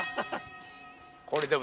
これでも。